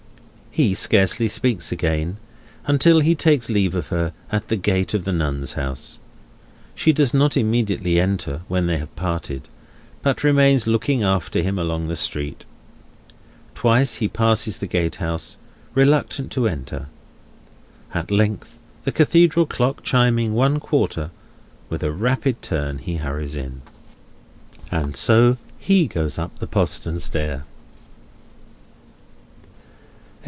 He scarcely speaks again, until he takes leave of her, at the gate of the Nuns' House. She does not immediately enter, when they have parted, but remains looking after him along the street. Twice he passes the gatehouse, reluctant to enter. At length, the Cathedral clock chiming one quarter, with a rapid turn he hurries in. And so he goes up the postern stair.